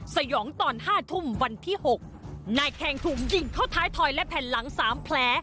สยองตอนห้าทุ่มวันที่หกนายแคงถูกยิงเข้าท้ายถอยและแผ่นหลังสามแผล